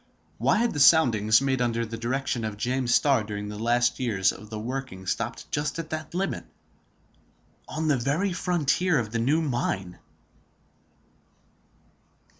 Why had the soundings made under the direction of James Starr during the last years of the working stopped just at that limit, on the very frontier of the new mine?